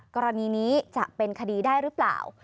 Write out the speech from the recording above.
กรณีนี้จะเป็นคดีได้หรือเปล่า